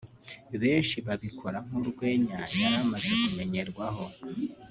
benshi babibona nk'urwenya yari amaze kumenyerwaho